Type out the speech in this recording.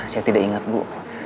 saya tidak ingat bu